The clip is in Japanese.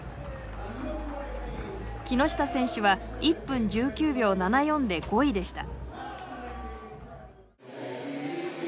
木下選手は１分１９秒７４で５位でした。